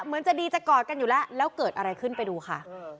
เหมือนจะดีจะกอดกันอยู่แล้วแล้วเกิดอะไรขึ้นไปดูค่ะ